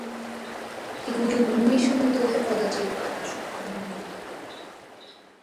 এগুলো ভূমি সমতলে কদাচিৎ বাতাস উৎপন্ন করে।